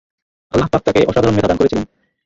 আল্লাহ্ পাক তাকে অসাধারণ মেধা দান করেছিলেন।